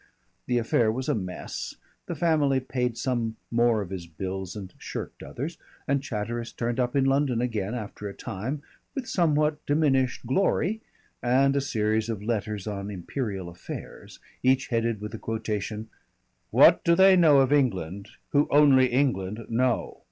The affair was a mess, the family paid some more of his bills and shirked others, and Chatteris turned up in London again after a time, with somewhat diminished glory and a series of letters on Imperial Affairs, each headed with the quotation: "What do they know of England who only England know?"